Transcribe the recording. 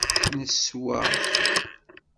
Neswa.